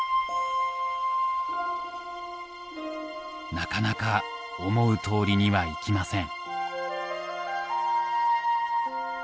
なかなか思うとおりにはいきません。